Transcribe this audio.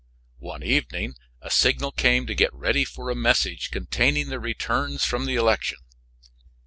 One evening a signal came to get ready for a message containing the returns from the election.